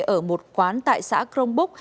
ở một quán tại xã kronpark